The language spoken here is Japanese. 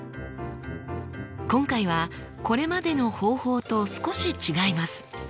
今回はこれまでの方法と少し違います。